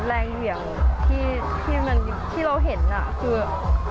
เหวี่ยงที่เราเห็นคือ